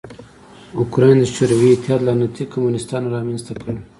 اوکراین د شوروي اتحاد لعنتي کمونستانو رامنځ ته کړ.